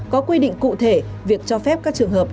có quy định cụ thể việc cho phép các trường hợp